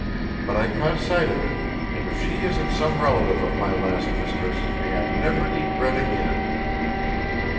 But I caught sight of it, and if she isn't some relative of my last mistress, may I never eat bread again."